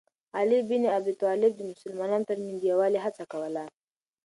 علي بن ابي طالب د مسلمانانو ترمنځ د یووالي هڅه کوله.